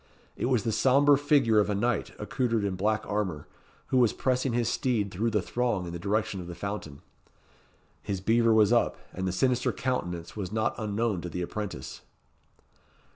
It was the sombre figure of a knight accoutred in black armour, who was pressing his steed through the throng in the direction of the fountain. His beaver was up, and the sinister countenance was not unknown to the apprentice.